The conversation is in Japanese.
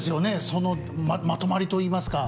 そのまとまりといいますか。